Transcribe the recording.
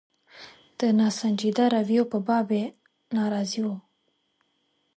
د ناسنجیده رویو په باب یې ناراضي وو.